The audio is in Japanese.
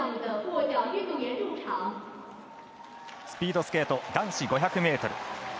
スピードスケート男子５００ｍ。